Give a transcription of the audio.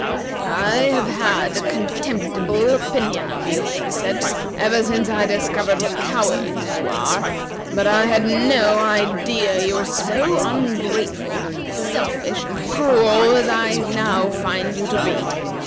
"I have had a contemptible opinion of you," he said, "ever since I discovered what cowards you are, but I had no idea that you were so ungrateful, selfish, and cruel, as I now find you to be.